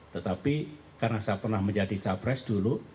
tetapi karena saya pernah menjadi capres dulu